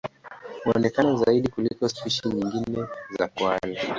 Huonekana zaidi kuliko spishi nyingine za kwale.